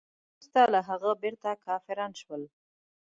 وروسته له هغه بیرته کافران شول.